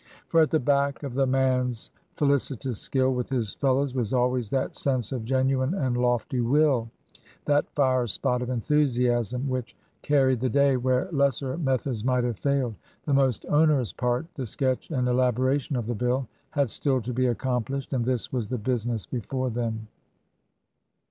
For at the back of the man's felici tous skill with his fellows was always that sense of genuine and lofty will, that fire spot of enthusiasm which carried the day where lesser methods might have failed. The most onerous part, the sketch and elaboration of the Bill, had still to be accomplished, and this was the busi ness before them.